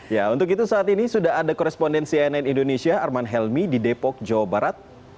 ya untuk itu saat ini sudah ada korespondensi nn indonesia arman helmi di depok jawa barat